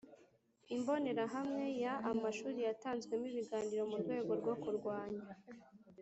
Imbonerahamwe ya amashuri yatanzwemo ibiganiro mu rwego rwo kurwanya